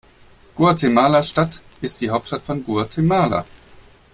Guatemala-Stadt ist die Hauptstadt von Guatemala.